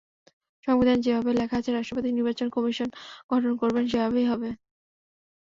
সংবিধানে যেভাবে লেখা আছে, রাষ্ট্রপতি নির্বাচন কমিশন গঠন করবেন, সেভাবেই হবে।